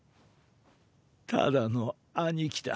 ただの兄貴だ。